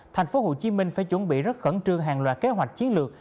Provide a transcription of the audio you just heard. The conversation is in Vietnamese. thành phố hồ chí minh phải chuẩn bị rất khẩn trương hàng loạt kế hoạch chiến lược